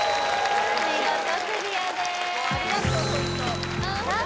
見事クリアでーすさあ